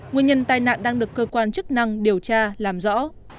nguyên nhân tai nạn đang được cơ quan chức năng điều tra làm rõ